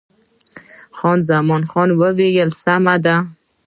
خان زمان وویل، سمه ده.